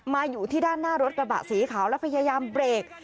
อยู่ที่ด้านหน้ารถกระบะสีขาวแล้วพยายามเบรก